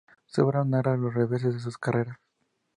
Su obra narra los reveses de su carrera.